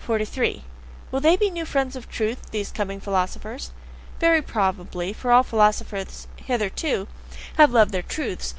43. Will they be new friends of "truth," these coming philosophers? Very probably, for all philosophers hitherto have loved their truths.